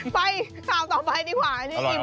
ไม่ต้องตอบไปดีกว่าอันนี้อิ่มแล้ว